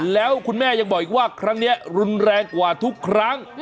แล้วคุณแม่ยังบอกอีกว่าครั้งนี้รุนแรงกว่าทุกครั้ง